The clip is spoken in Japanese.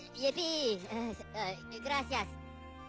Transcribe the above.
グラシアス。